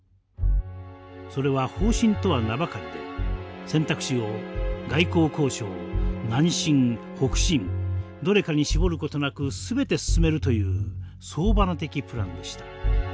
それは方針とは名ばかりで選択肢を「外交交渉」「南進」「北進」どれかに絞ることなく全て進めるという総花的プランでした。